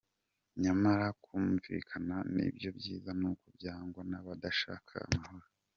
Nyamara kumvikana nibyobyiza nuko byangwa nabadashaka amahoro